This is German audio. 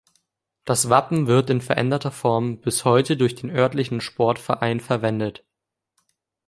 Das Wappen wird in veränderter Form bis heute durch den örtlichen Sportverein verwendet.